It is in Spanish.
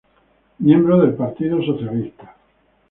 Miembro del Partido Socialista.